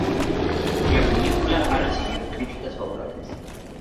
La película ha recibido críticas favorables.